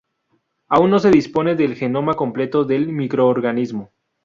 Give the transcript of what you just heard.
Aún no se dispone del genoma completo del microorganismo.